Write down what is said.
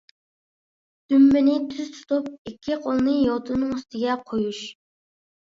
دۈمبىنى تۈز تۇتۇپ، ئىككى قولنى يوتىنىڭ ئۈستىگە قويۇش.